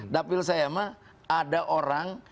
dapil saya mah ada orang